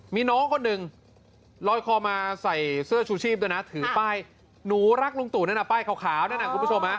มีน้องคนหนึ่งลอยคอมาใส่เสื้อชูชีพด้วยนะถือป้ายหนูรักลุงตู่นั่นน่ะป้ายขาวนั่นน่ะคุณผู้ชมฮะ